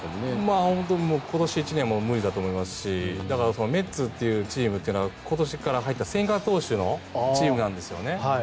本当に今年１年無理だと思いますしメッツっていうチームは今年から入った千賀投手のチームなんですよね。